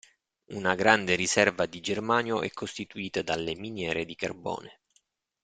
Una grande riserva di germanio è costituita dalle miniere di carbone.